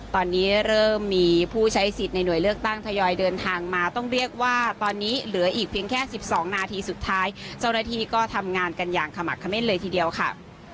ตอนนี้เริ่มมีผู้ใช้สิทธิ์ในหน่วยเลือกตั้งทยอยเดินทางมาต้องเรียกว่าตอนนี้เหลืออีกเพียงแค่สิบสองนาทีสุดท้ายเจ้าหน้าที่ก็ทำงานกันอย่างขมักเม่นเลยทีเดียวค่ะ